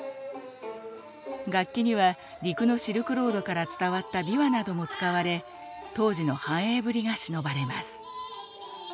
楽器には陸のシルクロードから伝わった琵琶なども使われ当時の繁栄ぶりがしのばれます。